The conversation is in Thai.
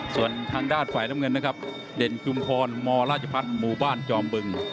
ส่วนทางด้านฝ่ายน้ำเงินนะครับเด่นจุมพรมราชพัฒน์หมู่บ้านจอมบึง